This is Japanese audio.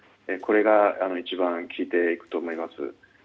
これが、一番効いていくと思います。